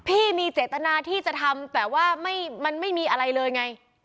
พี่มีเจตนาที่จะทำแต่ว่ามันไม่มีอะไรเลยไง